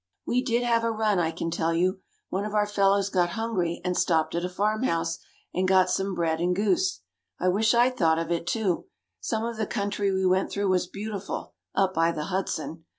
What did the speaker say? "We did have a run, I can tell you. One of our fellows got hungry, and stopped at a farm house, and got some bread and goose. I wish I'd thought of it too. Some of the country we went through was beautiful up by the Hudson.